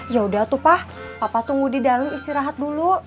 yaudah tuh papa tunggu di dalam istirahat dulu